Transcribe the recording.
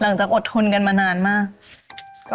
หลังจากอดทุนกันมานานมาก